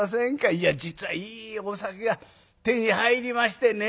いや実はいいお酒が手に入りましてね。